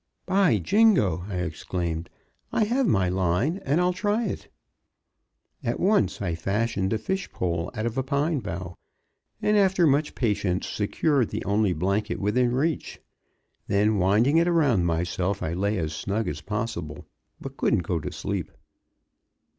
"By jingo!" I exclaimed, "I have my line, and I'll try it." At once I fashioned a fish pole out of a pine bough, and after much patience secured the only blanket within reach. Then winding it around myself, I lay as snug as possible, but couldn't go to sleep.